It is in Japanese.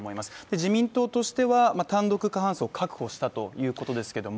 自民党としては単独過半数を確保したということですけども。